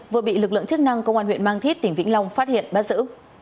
vừa bị lực lượng chức năng công an huyện mang thít tỉnh vĩnh long phát hiện bắt giữ